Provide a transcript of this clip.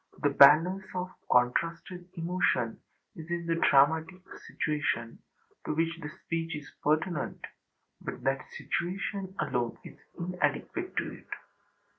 This balance of contrasted emotion is in the dramatic situation to which the speech is pertinent, but that situation alone is inadequate to it.